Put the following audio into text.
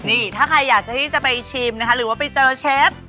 นี่ถ้าใครอยากจะที่จะไปชิมนะคะหรือว่าไปเจอเชฟ